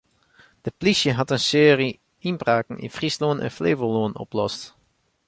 De plysje hat in searje ynbraken yn Fryslân en Flevolân oplost.